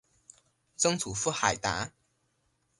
曾祖父海达。